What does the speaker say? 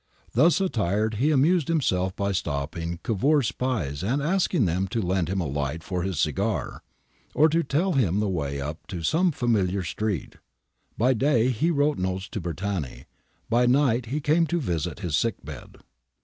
Thus attired he amused himself by stopping Cavour's spies and asking them to lend him a light for his cigar, or to tell him the way up some familar street.^ By day he wrote notes to Bertani ; by night he came to visit his sick bed.